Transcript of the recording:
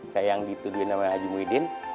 kayak yang dituduhin sama haji muhyiddin